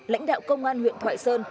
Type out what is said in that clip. lãnh đạo công an huyện thoại sơn